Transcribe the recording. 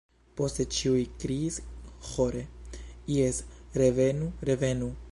Poste ĉiuj kriis ĥore: “Jes, revenu, revenu.”